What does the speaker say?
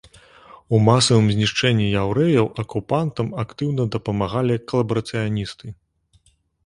У масавым знішчэнні яўрэяў акупантам актыўна дапамагалі калабарацыяністы.